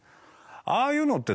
ああいうのって